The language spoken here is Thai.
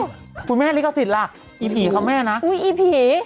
อ้าวคุณแม่ลิกสิทธิ์ล่ะอีผีครับแม่นะอุ๊ยอีผี